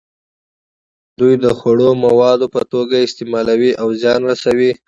دوی د خوړو موادو په توګه یې استعمالوي او زیان رسوي.